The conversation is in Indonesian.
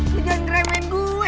jangan ngeremehin gue